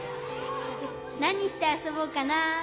なにしてあそぼうかな。